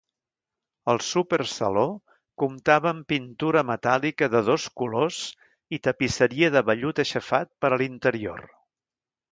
El súper saló comptava amb pintura metàl·lica de dos colors i tapisseria de vellut aixafat per a l'interior.